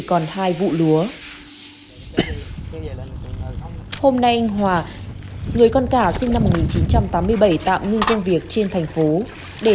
còn hai vụ lúa hôm nay anh hòa người con cả sinh năm một nghìn chín trăm tám mươi bảy tạm ngưng công việc trên thành phố để